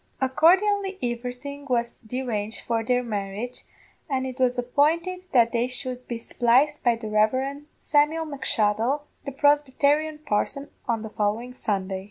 Accordianly everything was deranged for their marriage, and it was appointed that they should be spliced by the Rev. Samuel M'Shuttle, the Prosbytarian parson, on the following Sunday.